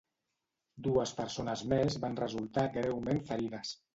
Dues persones més van resultar greument ferides.